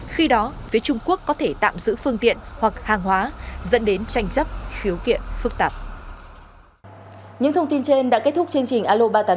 khi đó phía trung quốc có thể tạm giữ phương tiện hoặc hàng hóa dẫn đến tranh chấp khiếu kiện phức tạp